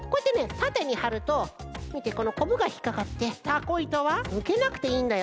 たてにはるとみてこのこぶがひっかかってたこいとはぬけなくていいんだよ